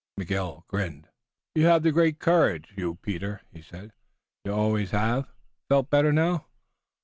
Miguel grinned. "You have the great courage, you Peter," he said. "You always have. Feel better now?"